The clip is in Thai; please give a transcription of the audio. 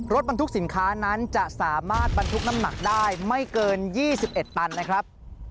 รถบรรทุกสินค้านั้นจะสามารถบรรทุกน้ำหนักได้ไม่เกิน๒๑ตันนะครับ